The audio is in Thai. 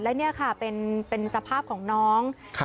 และนี่ค่ะเป็นสภาพของน้อง